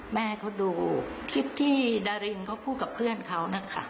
ให้เขาดูคลิปที่ดารินเขาพูดกับเพื่อนเขานะคะ